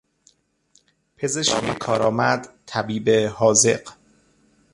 پزشک کارامد، طبیب حاذق